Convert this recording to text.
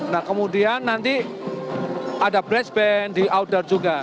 nah kemudian nanti ada bladesband di outdoor juga